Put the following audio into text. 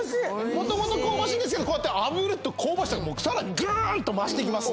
もともと香ばしいですけどこうやってあぶると香ばしさがさらにぐんと増していきますんでね。